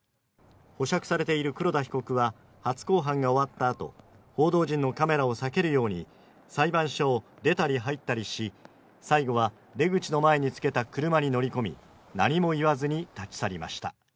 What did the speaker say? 保釈されている黒田被告は初公判が終わったあと、報道陣のカメラを避けるように裁判所を出たり入ったりし、最後は出口の前につけた車に乗り込み何も言わずに立ち去りました。